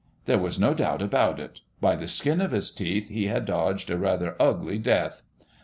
There was no doubt about it. By the skin of his teeth he had dodged a rather ugly death.